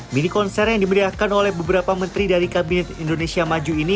mini konser yang diberiakan oleh beberapa menteri dari kabinet indonesia maju ini